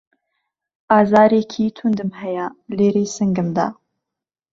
ئازارێکی توندم هەیە لێرەی سنگمدا